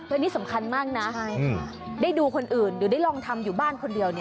อันนี้สำคัญมากนะได้ดูคนอื่นหรือได้ลองทำอยู่บ้านคนเดียว